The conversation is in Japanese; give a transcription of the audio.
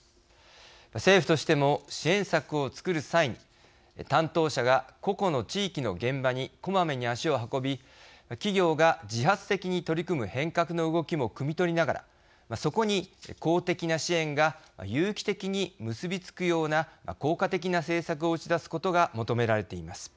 政府としても支援策を作る際に担当者が個々の地域の現場にこまめに足を運び企業が自発的に取り組む変革の動きもくみ取りながらそこに公的な支援が有機的に結び付くような効果的な政策を打ち出すことが求められています。